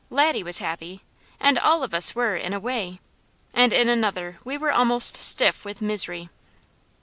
Laddie was happy, and all of us were, in a way; and in another we were almost stiff with misery.